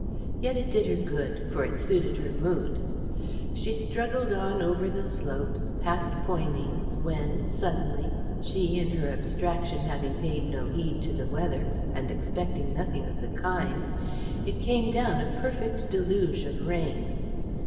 Yet it did her good, for it suited her mood. She struggled on over the slopes, past Poynings, when, suddenly she, in her abstraction, having paid no heed to the weather, and expecting nothing of the kind it came down a perfect deluge of rain.